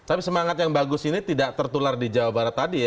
tapi semangat yang bagus ini tidak tertular di jawa barat tadi ya